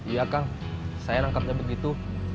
iya kang saya nangkapnya begitu